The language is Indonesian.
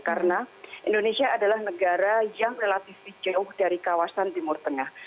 karena indonesia adalah negara yang relatif di jauh dari kawasan timur tengah